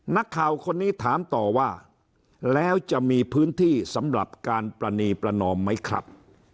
นักข่าวคนนี้ถามต่อว่าแล้วจะมีพื้นที่สำหรับการปรณีประนอมไหมครับ